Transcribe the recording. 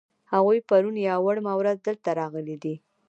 هغوی پرون یا وړمه ورځ دلته راغلي دي.